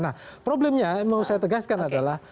nah problemnya mau saya tegaskan adalah